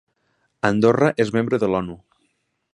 Andorra és membre de l'ONU.